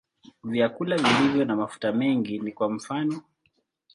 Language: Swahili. Vyakula vilivyo na mafuta mengi ni kwa mfano.